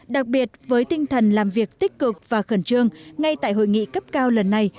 đặc biệt với tinh thần làm việc tích cực và khẩn trương ngay tại hội nghị cấp cao lần này